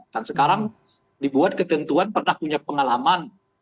dan sekarang dibuat ketentuan pernah punya pengalaman